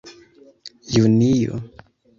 junio